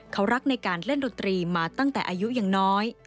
เขารักในการเล่นดนตรีมาตั้งแต่อายุยังน้อย